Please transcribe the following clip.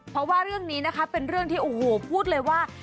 เพราะว่าเรื่องนี้นะคะเป็นเรื่องที่โอ้โหพูดเลยว่า